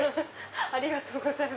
ありがとうございます。